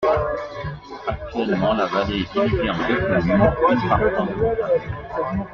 Actuellement la vallée est divisée en deux communes, une par flanc de montagne.